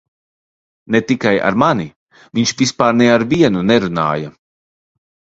Ne tikai ar mani - viņš vispār ne ar vienu nerunāja.